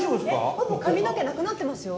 ほぼ髪の毛なくなってますよ。